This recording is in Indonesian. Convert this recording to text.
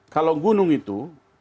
kalau gunung itu